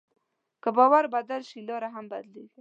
که باور بدل شي، لاره هم بدلېږي.